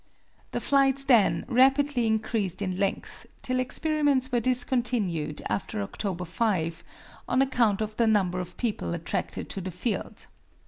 The flights then rapidly increased in length, till experiments were discontinued after October 5, on account of the number of people attracted to the field.